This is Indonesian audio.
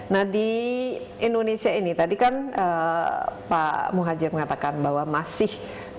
nah di indonesia ini tadi kan pak muhajir mengatakan bahwa masih